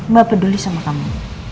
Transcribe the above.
mbak peduli sama kamu